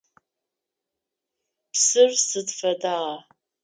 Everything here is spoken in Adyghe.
Псыр сыд фэдагъа?